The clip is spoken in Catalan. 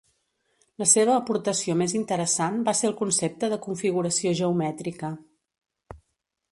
La seva aportació més interessant va ser el concepte de configuració geomètrica.